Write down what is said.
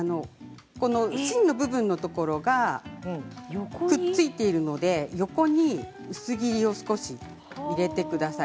芯の部分のところがくっついているので横に薄切りを少し入れてください。